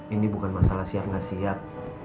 ini bukan masalah siap nggak siap